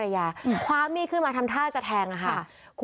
เห่าเจ้าหน้าที่นะ